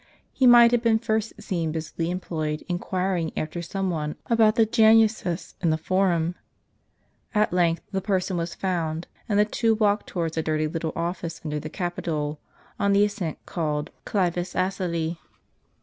He might have been first seen busily em ployed inquiring after some one about the Januses in the Forum. At length, the person was found; and the two walked towards a dirty little ofiice under the Capitol, on the ascent called the Glivtis Asyli.